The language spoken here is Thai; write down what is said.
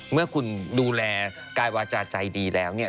เมื่อคุณดูแลกายวาจาใจดีแล้วเนี่ย